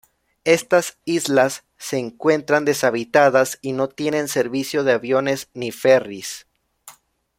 Estas islas se encuentran deshabitadas y no tienen servicio de aviones ni ferries.